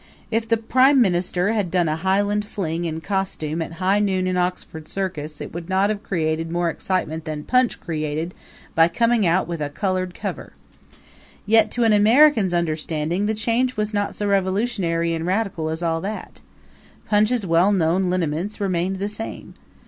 If the Prime Minister had done a Highland fling in costume at high noon in Oxford Circus it could not have created more excitement than Punch created by coming out with a colored cover. Yet, to an American's understanding, the change was not so revolutionary and radical as all that. Punch's well known lineaments remained the same.